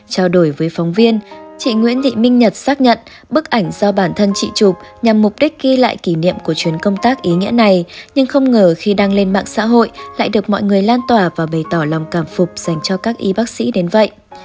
chào đổi với phóng viên chị nguyễn thị minh nhật xác nhận bức ảnh do bản thân chị chụp nhằm mục đích ghi lại kỷ niệm của chuyến công tác ý nghĩa này nhưng không ngờ khi đăng lên mạng xã hội lại được mọi người lan tỏa và bày tỏ lòng cảm phục dành cho các y bác sĩ đến vậy